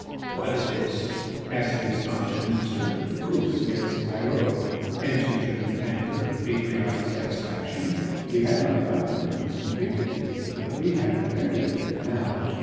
"What is this?" asked the astonished minister. "Proofs against Pyrot," answered General Panther with patriotic satisfaction. "We had not got them when we convicted him, but we have plenty of them now."